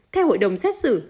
theo hội đồng xét xử